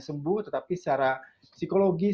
sembuh tetapi secara psikologis